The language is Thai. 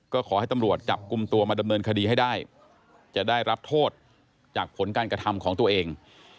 ก็ขอให้ตำรวจจับกลุ่มตัวมาดำเนินคดีให้ได้จะได้รับโทษจากผลการกระทำของตัวเอง